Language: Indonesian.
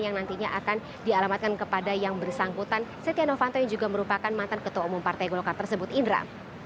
yang nantinya akan dialamatkan kepada yang bersangkutan setia novanto yang juga merupakan mantan ketua umum partai golkar tersebut indra